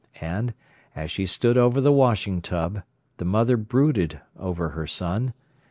And, as she stood over the washing tub, the mother brooded over her son.